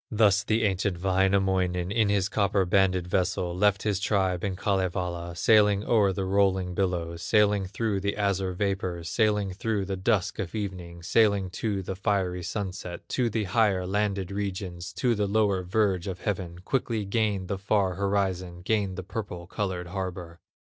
Thus the ancient Wainamoinen, In his copper banded vessel, Left his tribe in Kalevala, Sailing o'er the rolling billows, Sailing through the azure vapors, Sailing through the dusk of evening, Sailing to the fiery sunset, To the higher landed regions, To the lower verge of heaven; Quickly gained the far horizon, Gained the purple colored harbor.